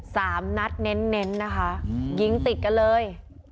สามนัดเน้นเน้นนะคะอืมยิงติดกันเลย